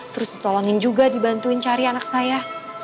terus ditolongin juga dibantuin cari anak saya